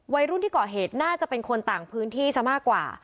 วัยรุ่นที่เกาะเหตุน่าจะเป็นคนต่างพื้นที่ซะมากกว่า